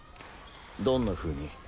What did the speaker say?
どんなふうに？